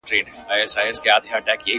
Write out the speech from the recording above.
• بې حیا یم، بې شرفه په وطن کي_